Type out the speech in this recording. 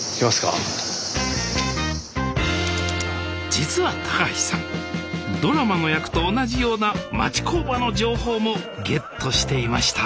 実は高橋さんドラマの役と同じような町工場の情報もゲットしていました